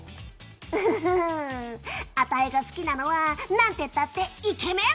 ウフフフアタイが好きなのはなんてったってイケメン！